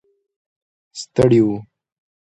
ستړي و.